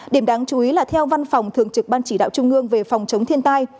điểm đáng chú ý là theo văn phòng thường trực ban chỉ đạo trung ương về phòng chống thiên tai